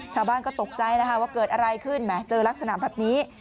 ชาวบ้านก็ตกใจแล้วค่ะว่าเกิดอะไรขึ้นแหมเจอลักษณะแบบนี้